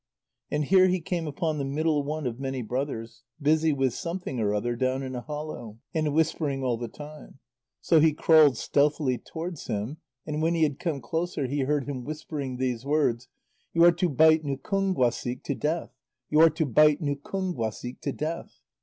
And here he came upon the middle one of many brothers, busy with something or other down in a hollow, and whispering all the time. So he crawled stealthily towards him, and when he had come closer, he heard him whispering these words: "You are to bite Nukúnguasik to death; you are to bite Nukúnguasik to death."